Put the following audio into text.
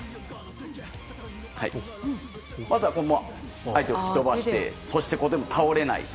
まずは、相手を吹き飛ばしてそして倒れない。